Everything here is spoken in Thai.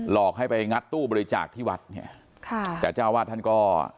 อกให้ไปงัดตู้บริจาคที่วัดเนี่ยค่ะแต่เจ้าวาดท่านก็